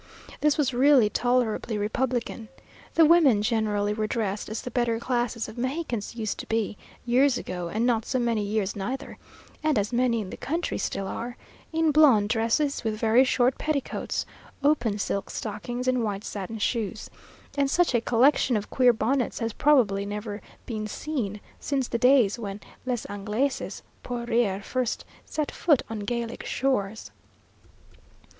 This was really tolerably republican. The women generally were dressed as the better classes of Mexicans used to be, years ago, and not so many years neither (and as many in the country, still are) in blonde dresses, with very short petticoats, open silk stockings and white satin shoes; and such a collection of queer bonnets has probably never been seen since the days when les Anglaises pour rire first set foot on Gallic shores.